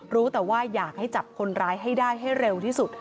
รู้แต่ว่าอยากให้จับคนร้ายให้ได้ให้เร็วที่สุด